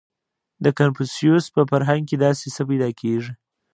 • د کنفوسیوس په فرهنګ کې داسې څه پیدا کېږي.